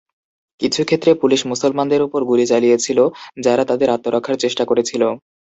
কিছু ক্ষেত্রে, পুলিশ মুসলমানদের উপর গুলি চালিয়েছিল যারা তাদের আত্মরক্ষার চেষ্টা করেছিল।